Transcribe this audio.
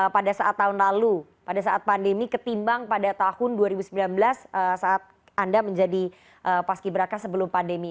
pada saat tahun lalu pada saat pandemi ketimbang pada tahun dua ribu sembilan belas saat anda menjadi paski beraka sebelum pandemi